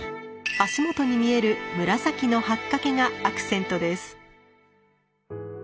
足元に見える紫の八掛がアクセントです。